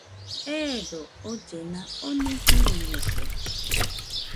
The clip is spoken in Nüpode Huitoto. Eedo ollena oni siriñote.